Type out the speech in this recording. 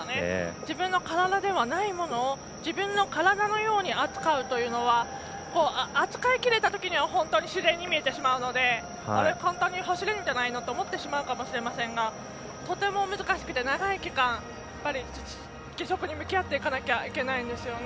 自分の体ではないものを、自分の体のように扱うというのは扱いきれたときには自然に見えてしまうので簡単に走れるんじゃないのと思ってしまいますがとても難しくて、長い期間義足に向き合っていかなきゃいけないんですよね。